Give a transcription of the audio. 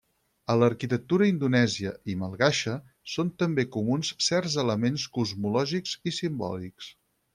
A l'arquitectura indonèsia i malgaixa són també comuns certs elements cosmològics i simbòlics.